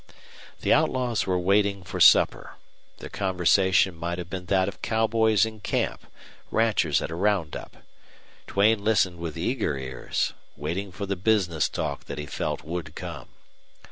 The outlaws were waiting for supper. Their conversation might have been that of cowboys in camp, ranchers at a roundup. Duane listened with eager ears, waiting for the business talk that he felt would come.